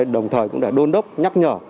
đồng thời cũng để đôn đốc nhắc nhở